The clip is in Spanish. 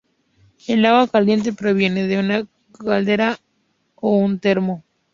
El agua caliente proviene de una caldera o un termo.